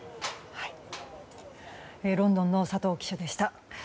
ロンドンの佐藤記者でした。